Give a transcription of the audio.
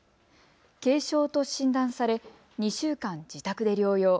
軽症と診断され２週間自宅で療養。